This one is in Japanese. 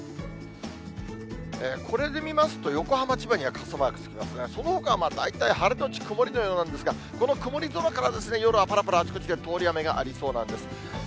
これで見ますと、横浜、千葉には傘マークつきますが、そのほかは大体晴れのち曇りのようなんですが、この曇り空から、夜はぱらぱら、あちこちで通り雨がありそうなんです。